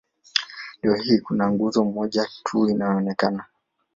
Leo hii kuna nguzo moja tu inayoonekana.